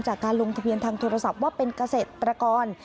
จากการลงทะเบียนทางโทรศัพท์ว่าเป็นเกษตรกร